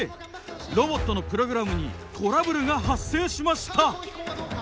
ロボットのプログラムにトラブルが発生しました。